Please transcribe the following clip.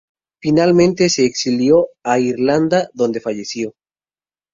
Finalmente se exilió a Irlanda, donde falleció.